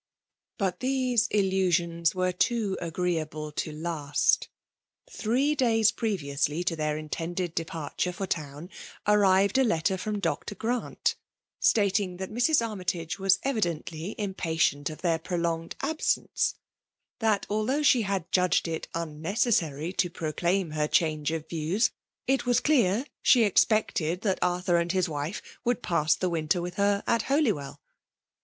But these illusions were too agreeable to last. Three days previously to their intended departure for town, arrived a letter from Dr; Grant, stating that Mrs. Armytage was evi dently impatient of their prolonged absence ; that, although she had judged it unnecesisary to proclaim her change of views^ it was clear she expected that Arthur and his wife would pass the winter with her at Holywell.